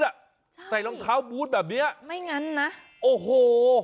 ใช่ไม่งั้นนะใส่รองเท้าบูธแบบนี้โอ้โห